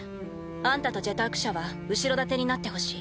あんたと「ジェターク社」は後ろ盾になってほしい。